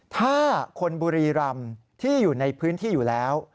ถ้าคนบุรีรำที่อยู่ในพื้นที่อยู่แล้ว